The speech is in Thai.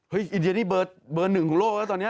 อินเดียนี่เบอร์หนึ่งของโลกแล้วตอนนี้